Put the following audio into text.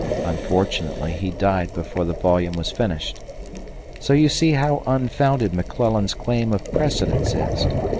Unfortunately he died before the volume was finished. So you see how unfounded McClellan's claim of precedence is.